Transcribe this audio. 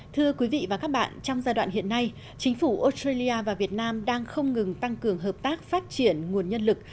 thưa quý vị và các bạn trong giai đoạn hiện nay chính phủ australia và việt nam đang không ngừng tăng cường hợp tác phát triển nguồn nhân lực